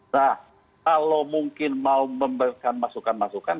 nah kalau mungkin mau memberikan masukan masukan